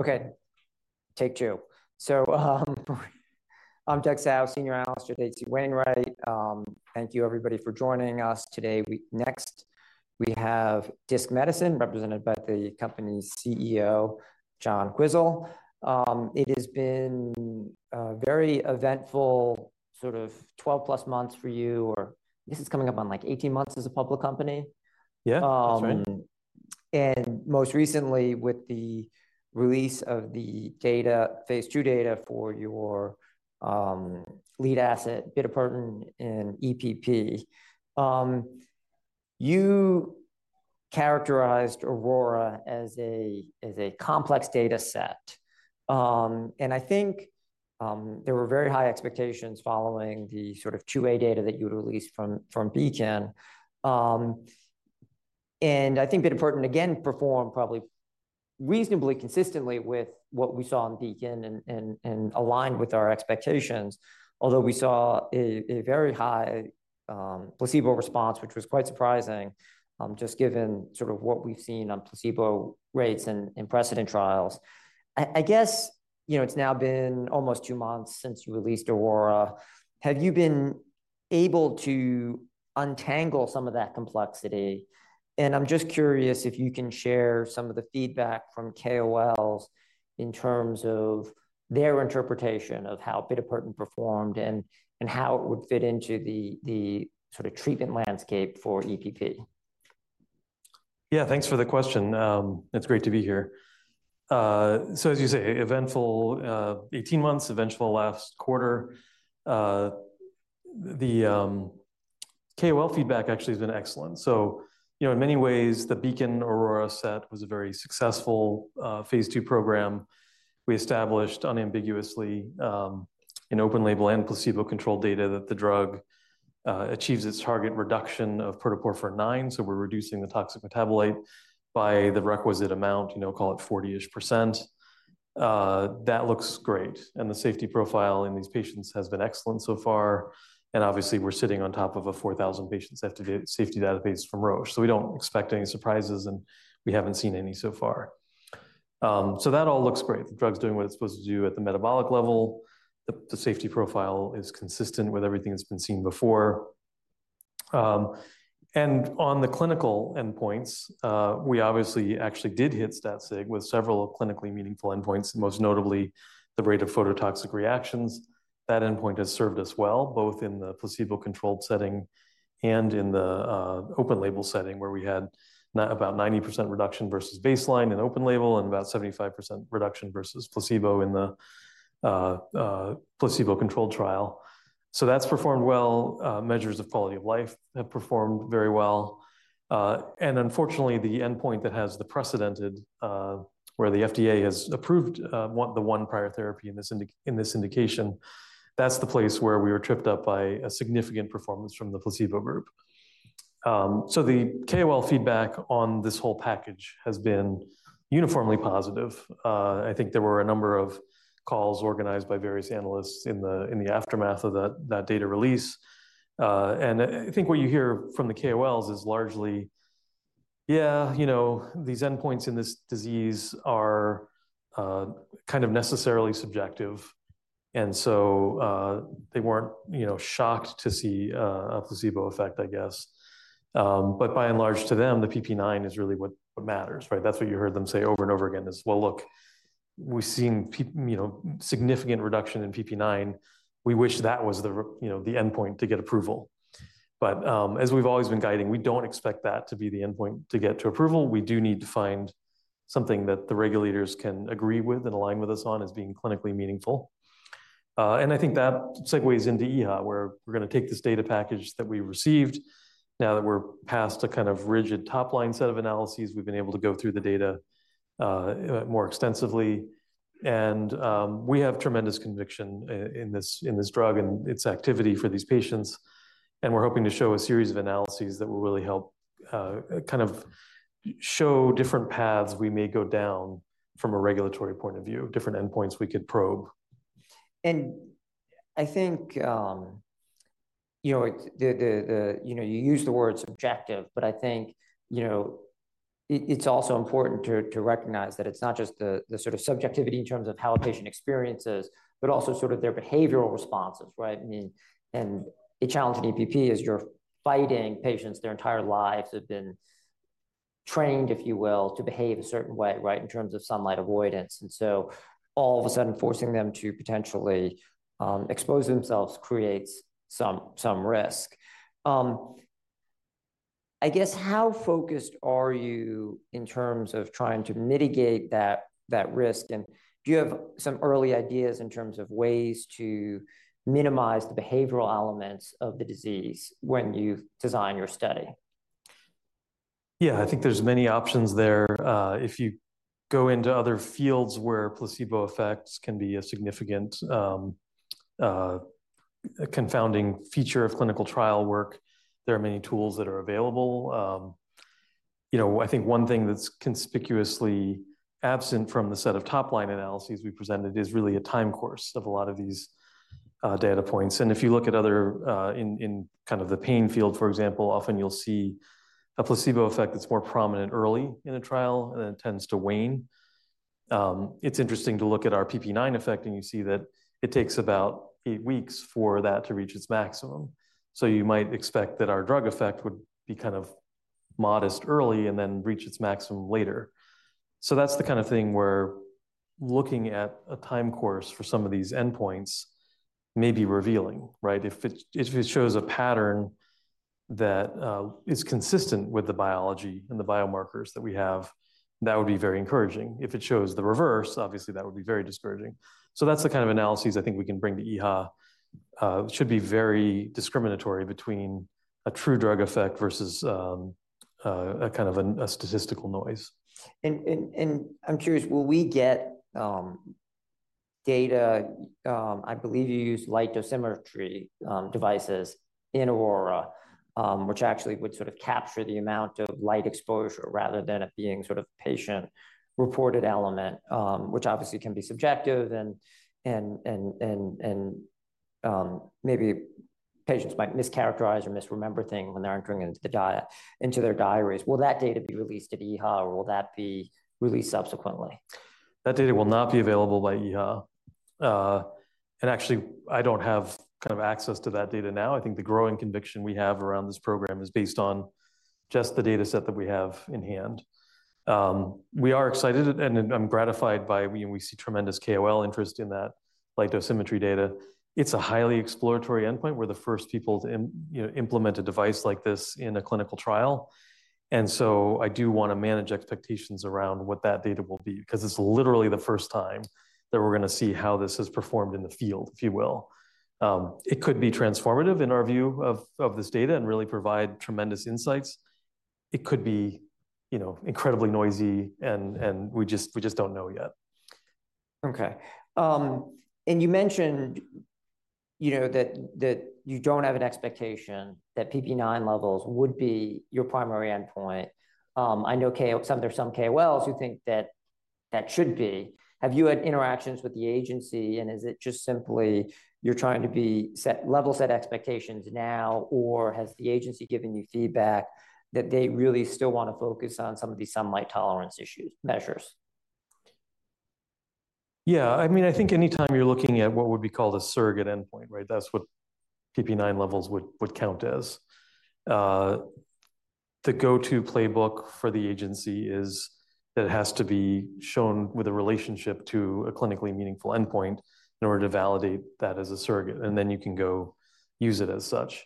Okay, take two. So, I'm Douglas Tsao, Senior Analyst at H.C. Wainwright. Thank you, everybody, for joining us today. Next, we have Disc Medicine, represented by the company's CEO, John Quisel. It has been a very eventful sort of 12+ months for you, or this is coming up on, like, 18 months as a public company? Yeah, that's right. And most recently, with the release of the data, phase II data for your lead asset, bitopertin and EPP. You characterized AURORA as a, as a complex data set. And I think, there were very high expectations following the sort of top-line data that you had released from, from BEACON. And I think bitopertin again performed probably reasonably consistently with what we saw on BEACON and aligned with our expectations, although we saw a very high placebo response, which was quite surprising, just given sort of what we've seen on placebo rates in, in precedent trials. I guess, you know, it's now been almost two months since you released AURORA. Have you been able to untangle some of that complexity? I'm just curious if you can share some of the feedback from KOLs in terms of their interpretation of how bitopertin performed and how it would fit into the sort of treatment landscape for EPP. Yeah, thanks for the question. It's great to be here. So as you say, eventful 18 months, eventful last quarter. The KOL feedback actually has been excellent. So, you know, in many ways, the BEACON, AURORA dataset was a very successful phase II program. We established unambiguously in open label and placebo-controlled data that the drug achieves its target reduction of protoporphyrin IX, so we're reducing the toxic metabolite by the requisite amount, you know, call it 40-ish%. That looks great, and the safety profile in these patients has been excellent so far, and obviously, we're sitting on top of a 4,000-patient safety database from Roche. So we don't expect any surprises, and we haven't seen any so far. So that all looks great. The drug's doing what it's supposed to do at the metabolic level. The safety profile is consistent with everything that's been seen before. And on the clinical endpoints, we obviously actually did hit stat sig with several clinically meaningful endpoints, most notably the rate of phototoxic reactions. That endpoint has served us well, both in the placebo-controlled setting and in the open-label setting, where we had about 90% reduction versus baseline in open label and about 75% reduction versus placebo in the placebo-controlled trial. So that's performed well. Measures of quality of life have performed very well, and unfortunately, the endpoint that has the precedented, where the FDA has approved one, the one prior therapy in this indication, that's the place where we were tripped up by a significant performance from the placebo group. So the KOL feedback on this whole package has been uniformly positive. I think there were a number of calls organized by various analysts in the aftermath of that data release. And I think what you hear from the KOLs is largely, yeah, you know, these endpoints in this disease are kind of necessarily subjective, and so they weren't, you know, shocked to see a placebo effect, I guess. But by and large, to them, the PPIX is really what matters, right? That's what you heard them say over and over again is, "Well, look, we've seen you know, significant reduction in PPIX. We wish that was the, you know, the endpoint to get approval." But as we've always been guiding, we don't expect that to be the endpoint to get to approval. We do need to find something that the regulators can agree with and align with us on as being clinically meaningful. And I think that segues into EHA, where we're going to take this data package that we received. Now that we're past the kind of rigid top-line set of analyses, we've been able to go through the data more extensively, and we have tremendous conviction in this, in this drug and its activity for these patients. And we're hoping to show a series of analyses that will really help kind of show different paths we may go down from a regulatory point of view, different endpoints we could probe. I think, you know, you use the word subjective, but I think, you know, it, it's also important to recognize that it's not just the sort of subjectivity in terms of how a patient experiences, but also sort of their behavioral responses, right? I mean, the challenge in EPP is you're fighting patients, their entire lives have been trained, if you will, to behave a certain way, right, in terms of sunlight avoidance. And so all of a sudden, forcing them to potentially expose themselves creates some risk. I guess, how focused are you in terms of trying to mitigate that risk, and do you have some early ideas in terms of ways to minimize the behavioral elements of the disease when you design your study? Yeah, I think there's many options there. If you go into other fields where placebo effects can be a significant confounding feature of clinical trial work, there are many tools that are available. You know, I think one thing that's conspicuously absent from the set of top-line analyses we presented is really a time course of a lot of these data points. And if you look at other in kind of the pain field, for example, often you'll see a placebo effect that's more prominent early in a trial, and then it tends to wane. It's interesting to look at our PPIX effect, and you see that it takes about eight weeks for that to reach its maximum. So you might expect that our drug effect would be kind of modest early and then reach its maximum later. So that's the kind of thing where looking at a time course for some of these endpoints may be revealing, right? If it shows a pattern that is consistent with the biology and the biomarkers that we have, that would be very encouraging. If it shows the reverse, obviously, that would be very discouraging. So that's the kind of analyses I think we can bring to EHA, should be very discriminatory between a true drug effect versus a kind of statistical noise. I'm curious: will we get data? I believe you use light dosimetry devices in AURORA, which actually would sort of capture the amount of light exposure rather than it being sort of patient-reported element, which obviously can be subjective, and maybe patients might mischaracterize or misremember things when they're entering it into their diaries. Will that data be released at EHA, or will that be released subsequently? That data will not be available by EHA. And actually, I don't have kind of access to that data now. I think the growing conviction we have around this program is based on just the data set that we have in hand. We are excited, and I'm gratified by—we see tremendous KOL interest in that light dosimetry data. It's a highly exploratory endpoint. We're the first people to, you know, implement a device like this in a clinical trial, and so I do wanna manage expectations around what that data will be because it's literally the first time that we're gonna see how this has performed in the field, if you will. It could be transformative in our view of this data and really provide tremendous insights. It could be, you know, incredibly noisy, and we just don't know yet. Okay. And you mentioned, you know, that, that you don't have an expectation that PPIX levels would be your primary endpoint. I know some KOLs who think that that should be. Have you had interactions with the agency, and is it just simply you're trying to be level set expectations now, or has the agency given you feedback that they really still wanna focus on some of these sunlight tolerance issues, measures? Yeah, I mean, I think anytime you're looking at what would be called a surrogate endpoint, right? That's what PPIX levels would count as. The go-to playbook for the agency is that it has to be shown with a relationship to a clinically meaningful endpoint in order to validate that as a surrogate, and then you can go use it as such.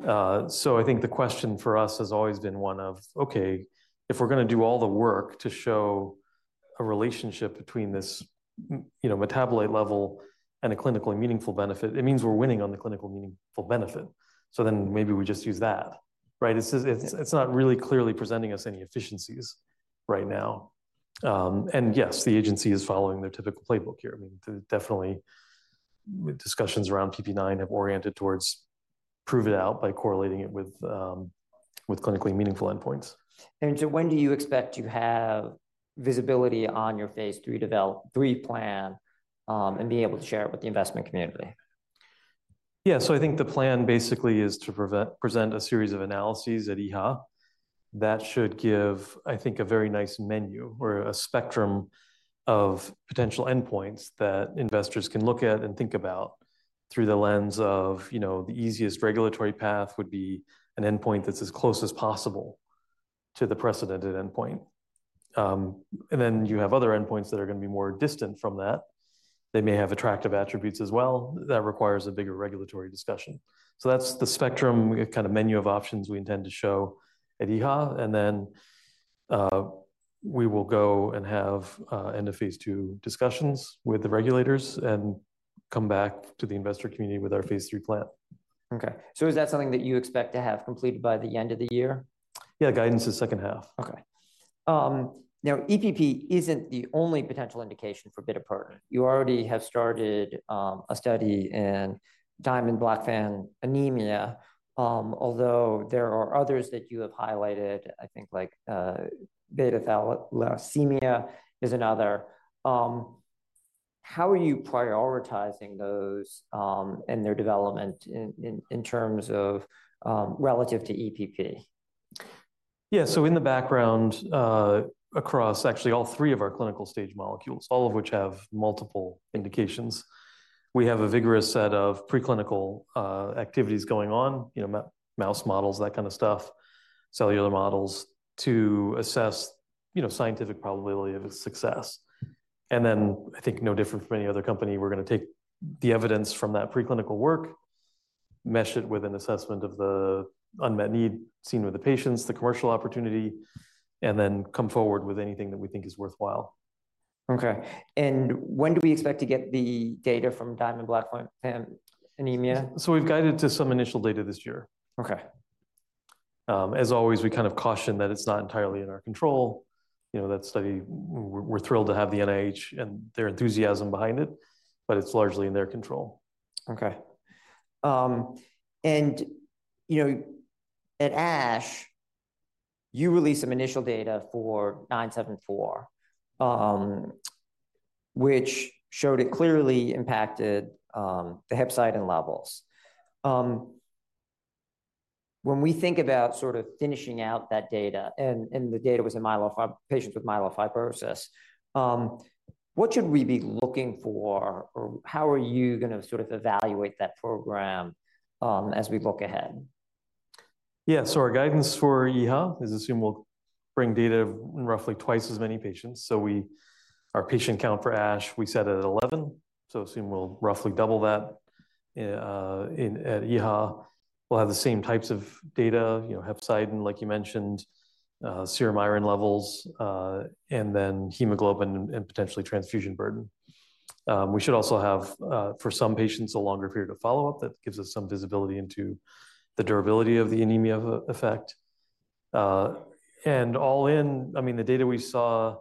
So I think the question for us has always been one of, okay, if we're gonna do all the work to show a relationship between this, you know, metabolite level and a clinically meaningful benefit, it means we're winning on the clinically meaningful benefit. So then maybe we just use that, right? It's just, it's not really clearly presenting us any efficiencies right now. And yes, the agency is following their typical playbook here. I mean, definitely, discussions around PPIX have oriented towards prove it out by correlating it with, with clinically meaningful endpoints. When do you expect to have visibility on your phase III plan, and be able to share it with the investment community? Yeah, so I think the plan basically is to present a series of analyses at EHA. That should give, I think, a very nice menu or a spectrum of potential endpoints that investors can look at and think about through the lens of, you know, the easiest regulatory path would be an endpoint that's as close as possible to the precedented endpoint. And then you have other endpoints that are gonna be more distant from that. They may have attractive attributes as well. That requires a bigger regulatory discussion. So that's the spectrum, a kind of menu of options we intend to show at EHA, and then, we will go and have end of phase II discussions with the regulators and come back to the investor community with our phase III plan. Okay. So is that something that you expect to have completed by the end of the year? Yeah, guidance is second half. Okay. Now, EPP isn't the only potential indication for bitopertin. You already have started a study in Diamond-Blackfan anemia, although there are others that you have highlighted, I think, like, beta thalassemia is another. How are you prioritizing those, and their development in terms of relative to EPP? Yeah, so in the background, across actually all three of our clinical stage molecules, all of which have multiple indications, we have a vigorous set of preclinical activities going on, you know, mouse models, that kind of stuff, cellular models, to assess, you know, scientific probability of its success. And then I think no different from any other company, we're gonna take the evidence from that preclinical work, mesh it with an assessment of the unmet need seen with the patients, the commercial opportunity, and then come forward with anything that we think is worthwhile. Okay. And when do we expect to get the data from Diamond-Blackfan anemia? We've guided to some initial data this year. Okay. As always, we kind of caution that it's not entirely in our control. You know, that study, we're thrilled to have the NIH and their enthusiasm behind it, but it's largely in their control. Okay. And, you know, at ASH you released some initial data for DISC-0974, which showed it clearly impacted the hepcidin levels. When we think about sort of finishing out that data, and the data was in myelofibrosis patients with myelofibrosis, what should we be looking for, or how are you gonna sort of evaluate that program, as we look ahead? Yeah. So our guidance for EHA is assume we'll bring data of roughly twice as many patients. So our patient count for ASH, we set at 11, so assume we'll roughly double that. In at EHA, we'll have the same types of data, you know, hepcidin, like you mentioned, serum iron levels, and then hemoglobin and potentially transfusion burden. We should also have, for some patients, a longer period of follow-up that gives us some visibility into the durability of the anemia effect. And all in, I mean, the data we saw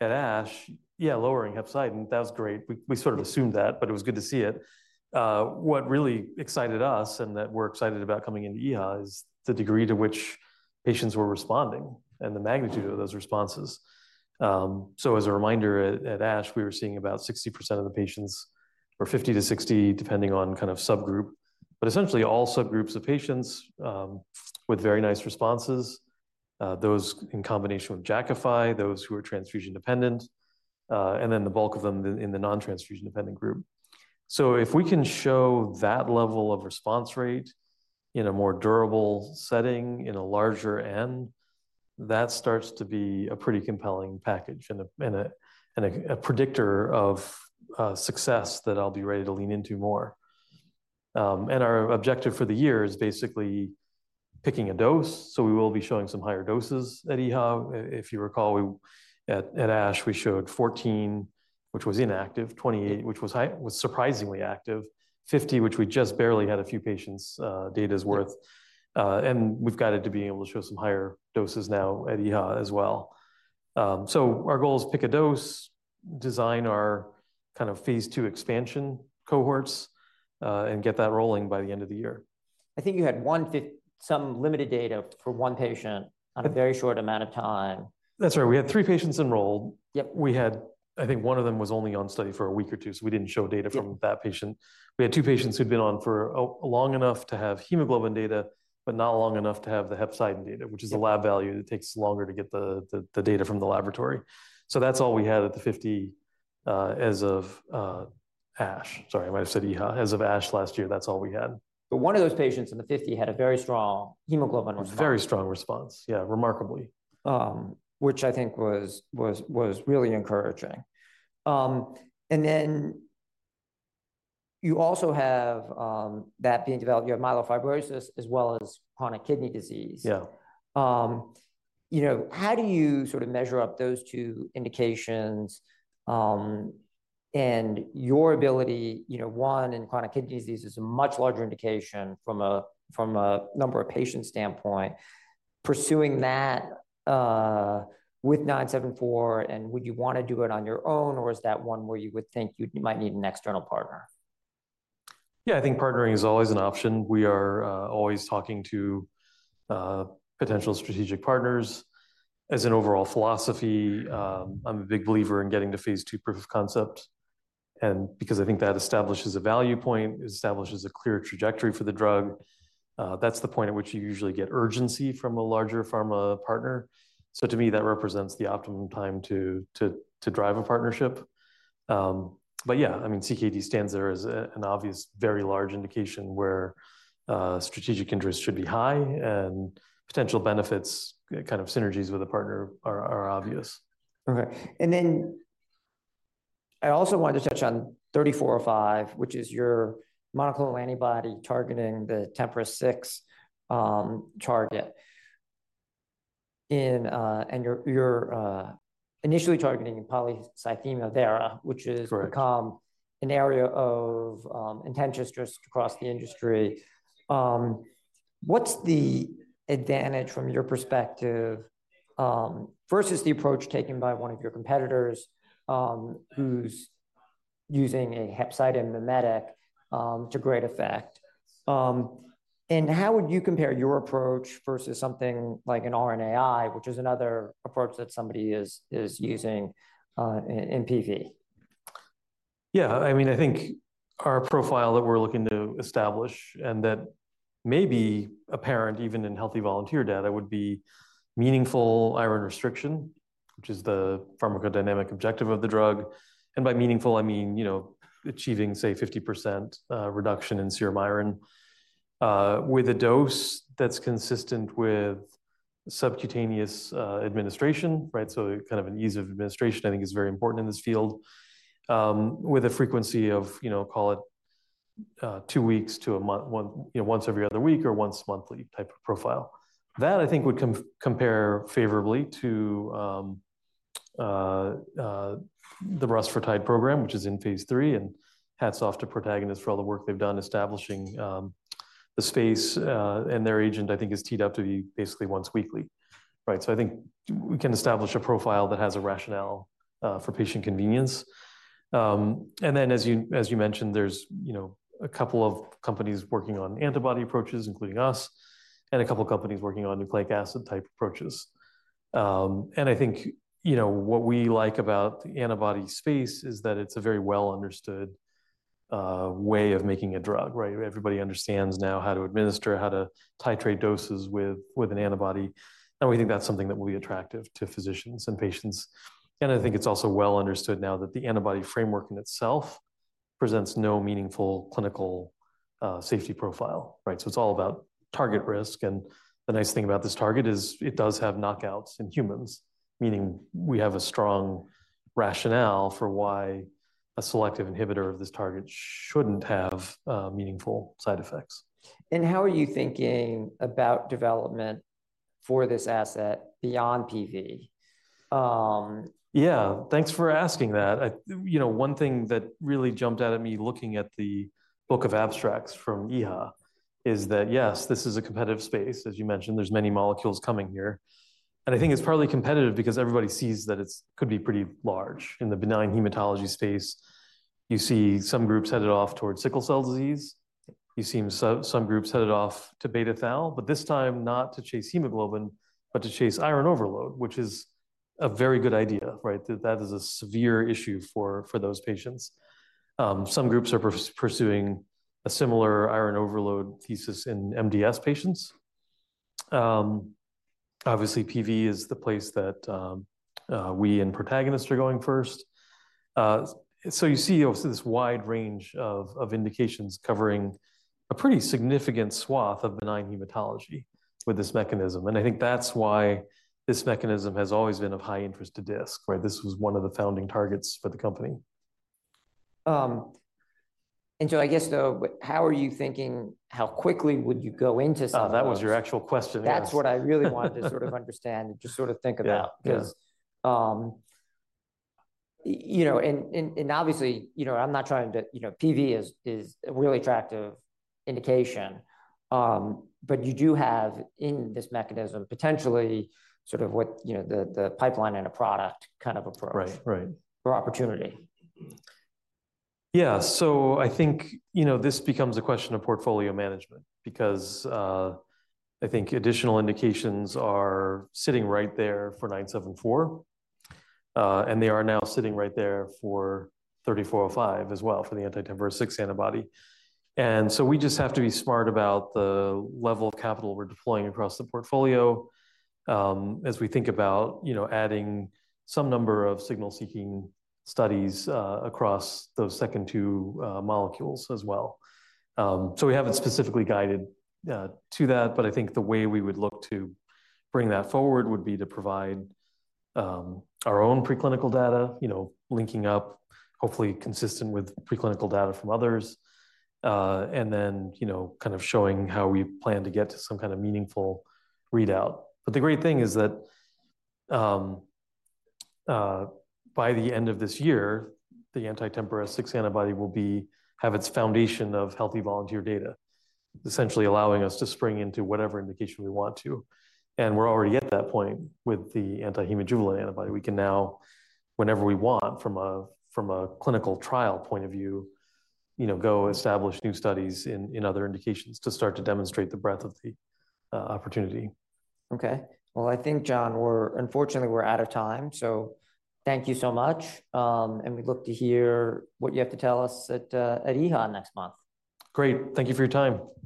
at ASH, yeah, lowering hepcidin, that was great. We, we sort of assumed that, but it was good to see it. What really excited us and that we're excited about coming into EHA is the degree to which patients were responding and the magnitude of those responses. So as a reminder, at ASH, we were seeing about 60% of the patients, or 50-60, depending on kind of subgroup, but essentially all subgroups of patients, with very nice responses, those in combination with Jakafi, those who are transfusion dependent, and then the bulk of them in the non-transfusion-dependent group. So if we can show that level of response rate in a more durable setting, in a larger N, that starts to be a pretty compelling package and a predictor of success that I'll be ready to lean into more. And our objective for the year is basically picking a dose, so we will be showing some higher doses at EHA. If you recall, we at ASH we showed 14, which was inactive, 28, which was high, was surprisingly active, 50, which we just barely had a few patients' data's worth. And we've got it to being able to show some higher doses now at EHA as well. So our goal is pick a dose, design our phase II expansion cohorts, and get that rolling by the end of the year. I think you had 1/5, some limited data for one patient on a very short amount of time. That's right. We had three patients enrolled. Yep. We had. I think one of them was only on study for a week or two, so we didn't show data from that patient. Yep. We had two patients who'd been on for, oh, long enough to have hemoglobin data, but not long enough to have the hepcidin data, which is a lab value that takes longer to get the data from the laboratory. So that's all we had at the 50, as of ASH. Sorry, I might have said EHA. As of ASH last year, that's all we had. But one of those patients in the 50 had a very strong hemoglobin response. Very strong response, yeah, remarkably. Which I think was really encouraging. And then you also have that being developed, you have myelofibrosis as well as chronic kidney disease. Yeah. You know, how do you sort of measure up those two indications, and your ability, you know, one, and chronic kidney disease is a much larger indication from a, from a number of patients' standpoint, pursuing that, with DISC-0974, and would you want to do it on your own, or is that one where you would think you might need an external partner? Yeah, I think partnering is always an option. We are always talking to potential strategic partners. As an overall philosophy, I'm a big believer in getting to phase II proof of concept, and because I think that establishes a value point, it establishes a clear trajectory for the drug. That's the point at which you usually get urgency from a larger pharma partner. So to me, that represents the optimum time to drive a partnership. But yeah, I mean, CKD stands there as an obvious, very large indication where strategic interest should be high, and potential benefits, kind of synergies with a partner are obvious. Okay. And then I also wanted to touch on DISC-3405, which is your monoclonal antibody targeting the TMPRSS6 target. And you're initially targeting polycythemia vera, which has- Correct Become an area of intense interest across the industry. What's the advantage from your perspective, versus the approach taken by one of your competitors, who's using a hepcidin mimetic, to great effect? And how would you compare your approach versus something like an RNAi, which is another approach that somebody is using, in PV? Yeah, I mean, I think our profile that we're looking to establish and that may be apparent even in healthy volunteer data, would be meaningful iron restriction, which is the pharmacodynamic objective of the drug. And by meaningful, I mean, you know, achieving, say, 50% reduction in serum iron, with a dose that's consistent with subcutaneous administration, right? So kind of an ease of administration, I think, is very important in this field, with a frequency of, you know, call it, two weeks to a month, one, you know, once every other week or once monthly type of profile. That, I think, would compare favorably to the rusfertide program, which is in phase III, and hats off to Protagonist for all the work they've done establishing the space, and their agent, I think, is teed up to be basically once weekly. Right, so I think we can establish a profile that has a rationale for patient convenience. And then as you mentioned, there's, you know, a couple of companies working on antibody approaches, including us, and a couple of companies working on nucleic acid-type approaches. And I think, you know, what we like about the antibody space is that it's a very well-understood way of making a drug, right? Everybody understands now how to administer, how to titrate doses with an antibody, and we think that's something that will be attractive to physicians and patients. I think it's also well understood now that the antibody framework in itself presents no meaningful clinical, safety profile, right? So it's all about target risk, and the nice thing about this target is it does have knockouts in humans, meaning we have a strong rationale for why a selective inhibitor of this target shouldn't have, meaningful side effects. How are you thinking about development for this asset beyond PV? Yeah, thanks for asking that. You know, one thing that really jumped out at me looking at the book of abstracts from EHA is that, yes, this is a competitive space. As you mentioned, there's many molecules coming here, and I think it's partly competitive because everybody sees that it could be pretty large. In the benign hematology space, you see some groups headed off towards sickle cell disease. You see some groups headed off to beta thal, but this time not to chase hemoglobin, but to chase iron overload, which is a very good idea, right? That is a severe issue for those patients. Some groups are pursuing a similar iron overload thesis in MDS patients. Obviously, PV is the place that we and Protagonist are going first. So you see also this wide range of indications covering a pretty significant swath of benign hematology with this mechanism, and I think that's why this mechanism has always been of high interest to Disc, right? This was one of the founding targets for the company. And so I guess, though, how are you thinking, how quickly would you go into something? Oh, that was your actual question, yes. That's what I really wanted to sort of understand and just sort of think about. Yeah, yeah. Because, you know, and obviously, you know, I'm not trying to— you know, PV is a really attractive indication. But you do have, in this mechanism, potentially sort of what, you know, the pipeline and a product kind of approach. Right, right Or opportunity. Yeah. So I think, you know, this becomes a question of portfolio management because, I think additional indications are sitting right there for DISC-0974, and they are now sitting right there for DISC-3405 as well for the anti-TMPRSS6 antibody. And so we just have to be smart about the level of capital we're deploying across the portfolio, as we think about, you know, adding some number of signal-seeking studies, across those second two molecules as well. So we haven't specifically guided to that, but I think the way we would look to bring that forward would be to provide our own preclinical data, you know, linking up, hopefully consistent with preclinical data from others, and then, you know, kind of showing how we plan to get to some kind of meaningful readout. But the great thing is that, by the end of this year, the anti-TMPRSS6 antibody will have its foundation of healthy volunteer data, essentially allowing us to spring into whatever indication we want to, and we're already at that point with the anti-hemojuvelin antibody. We can now, whenever we want from a, from a clinical trial point of view, you know, go establish new studies in, in other indications to start to demonstrate the breadth of the, opportunity. Okay. Well, I think, John, we're unfortunately, we're out of time, so thank you so much. And we look to hear what you have to tell us at EHA next month. Great. Thank you for your time.